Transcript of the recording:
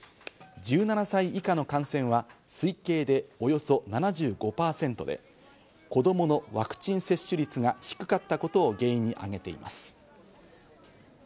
１７歳以下の感染は推計でおよそ７５％で、子供のワクチン接種率が低かったことを原因に挙げています。